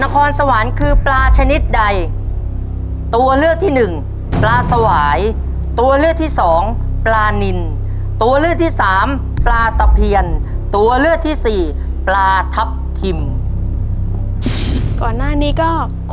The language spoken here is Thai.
ก่อนหน้านี้ก็